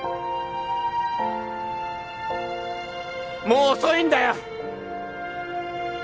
もう遅いんだよ！